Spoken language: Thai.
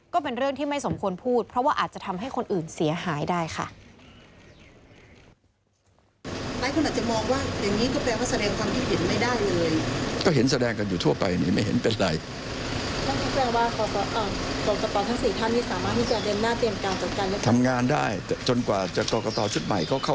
ก็เป็นเรื่องที่ไม่สมควรพูดเพราะว่าอาจจะทำให้คนอื่นเสียหายได้ค่ะ